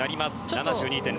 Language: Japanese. ７２．００。